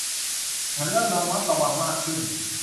ฉันเริ่มระมัดระวังมากขึ้น